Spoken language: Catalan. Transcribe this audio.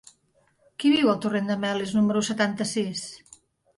Qui viu al torrent de Melis número setanta-sis?